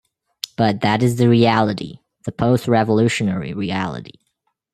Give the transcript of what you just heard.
But that is the reality, the post-revolutionary reality.